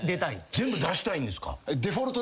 全部出したいんですか？